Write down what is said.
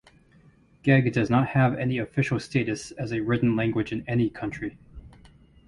Gheg does not have any official status as a written language in any country.